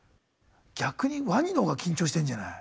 逆にワニの方が緊張してんじゃない。